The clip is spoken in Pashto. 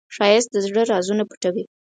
ښایست د زړه رازونه پټوي